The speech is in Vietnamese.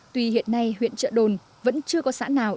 tuy hiện nay huyện trợ đồn vẫn chưa có xã nào